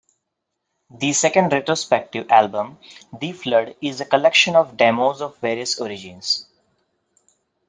The second retrospective album, "The Flood", is a collection of demos of various origins.